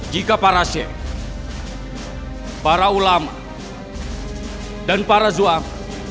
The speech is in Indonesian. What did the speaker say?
jika para syekh para ulama dan para zuamil